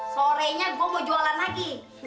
sore nya gue mau jualan lagi